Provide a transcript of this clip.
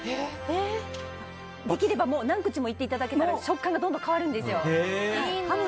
できれば何口もいっていただけたら食感がどんどん変わるんですよ。